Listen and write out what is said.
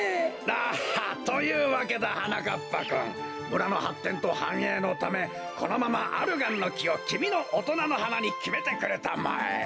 だはっ！というわけだはなかっぱくん村のはってんとはんえいのためこのままアルガンのきをきみのおとなのはなにきめてくれたまえ。